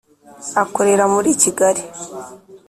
akorera muri Kigali